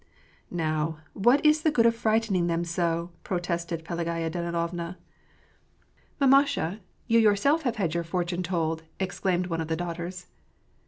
" Now, what is the good of frightening them so !" protested Pelagaya Danilovna. 298 WAR AND PEACE. " Mamasha, yon yourself have had your fortune told," ex claimed one of the daughters.